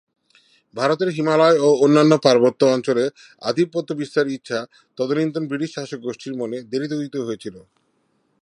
ভারতের হিমালয় ও অন্যান্য পার্বত্য অঞ্চলে আধিপত্য বিস্তারের ইচ্ছা তদনীন্তন ব্রিটিশ শাসকগোষ্ঠীর মনে দেরিতে উদিত হয়েছিল।